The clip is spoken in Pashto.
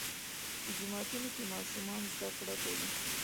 په جوماتونو کې ماشومان زده کړه کوي.